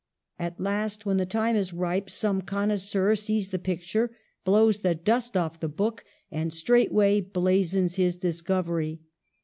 At last, when the time is ripe, some connoisseur sees the picture, blows the dust from the book, and straightway blazons his discovery.